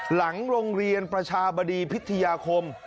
หลังโรงเรียนประชาบดีพิทยาคม